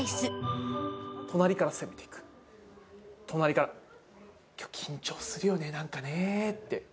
隣から、緊張するよね、なんかねって。